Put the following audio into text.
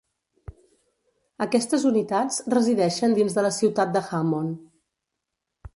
Aquestes unitats resideixen dins de la ciutat de Hammond.